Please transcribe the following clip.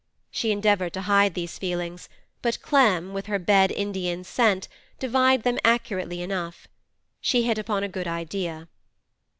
She endeavoured to hide these feelings, but Clem, with her Red Indian scent, divined them accurately enough. She hit upon a good idea.